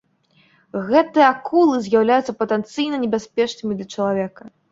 Гэтыя акулы з'яўляюцца патэнцыйна небяспечнымі для чалавека.